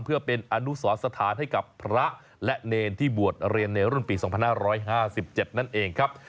เพื่อเป็นอนุสรสถานให้กับพระและเนรที่บวชเรียนในรุ่นปี๒๕๕๗นั่นเองครับ